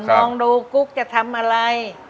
มองดูกุ๊กจะทำอะไร